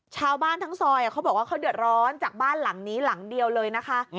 ชาวบ้านทั้งซอยเขาบอกว่าเขาเดือดร้อนจากบ้านหลังนี้หลังเดียวเลยนะคะ